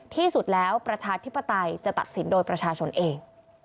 ที่สุดแล้วประชาธิปไตยจะตัดสินโดยประชาชนเอง